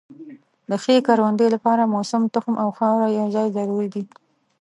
د ښې کروندې لپاره موسم، تخم او خاوره یو ځای ضروري دي.